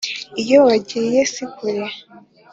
Iyo wagiye si kure